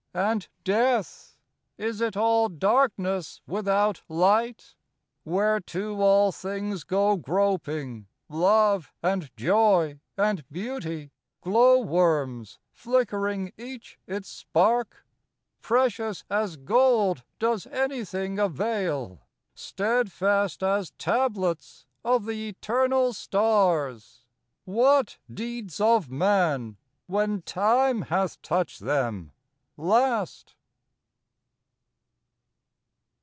And death? is it all darkness without light? Whereto all things go groping, love and joy And beauty, glow worms, flickering each its spark? Precious as gold does anything avail? Steadfast as tablets of the eternal stars, What deeds of man, when time hath touched them, last?